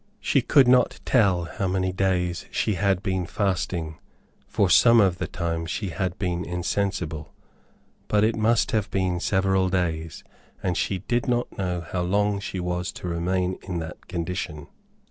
She could not tell how many days she had been fasting, for some of the time she had been insensible; but it must have been several days, and she did not know how long she was to remain in that condition.